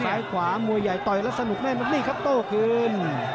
ซ้ายขวามวยใหญ่ต่อยแล้วสนุกแน่นนี่ครับโต้คืน